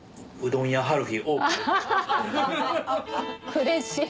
うれしい。